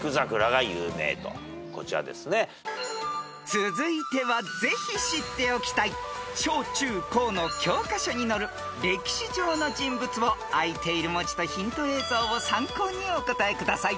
［続いてはぜひ知っておきたい小中高の教科書に載る歴史上の人物を開いている文字とヒント映像を参考にお答えください］